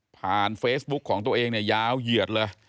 ผ่านเฟซบุ๊กของตัวเองยาวเหยือดแหละ